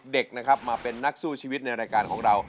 เด็กนะครับมาเป็นนักสู้ชีวิตในรายการของเรา